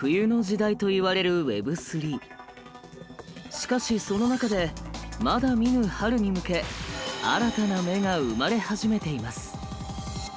しかしその中でまだ見ぬ春に向け新たな“芽”が生まれ始めています。